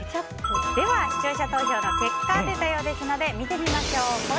では、視聴者投票の結果が出たようですので見てみましょう。